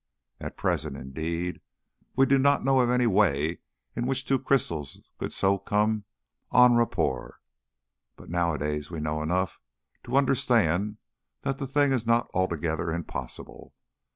At present, indeed, we do not know of any way in which two crystals could so come en rapport, but nowadays we know enough to understand that the thing is not altogether impossible.